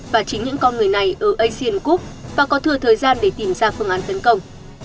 và chính những con người này ở asian gup và có thừa thời gian để tìm ra phương án tấn công